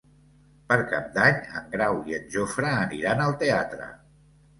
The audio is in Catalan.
Per Cap d'Any en Grau i en Jofre aniran al teatre.